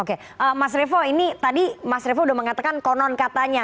oke mas revo ini tadi mas revo udah mengatakan konon katanya